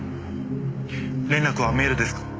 連絡はメールですか？